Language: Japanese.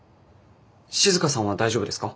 静さんは大丈夫ですか？